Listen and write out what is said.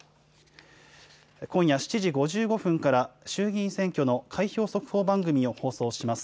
今夜７時５５分から、衆議院選挙の開票速報番組を放送します。